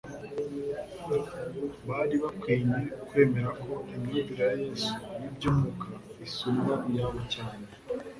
Bari bakwinye kwemera ko imyumvire ya Yesu y'iby'umwuka, isumba iya bo cyane.